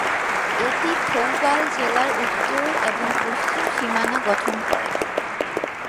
এটি থৌবাল জেলার উত্তর এবং পশ্চিম সীমানা গঠন করে।